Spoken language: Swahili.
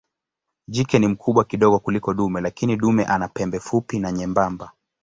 Jike ni mkubwa kidogo kuliko dume lakini dume ana pembe fupi na nyembamba.